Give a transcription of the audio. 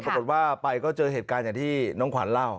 ปรากฏว่าไปก็เจอเหตุการณ์อย่างที่น้องขวัญเล่า